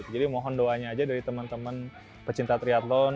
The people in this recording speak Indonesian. jadi mohon doanya saja dari teman teman pecinta triathlon